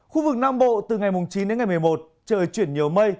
khu vực nam bộ từ ngày chín đến ngày một mươi một trời chuyển nhiều mây